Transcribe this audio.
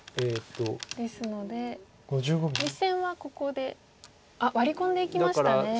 ですので実戦はここでワリ込んでいきましたね。